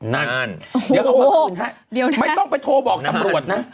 นั่นเดี๋ยวเอาคืนฮะไม่ต้องไปโทรบอกตำรวจนะ